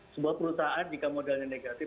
sebuah perusahaan jika modelnya negatif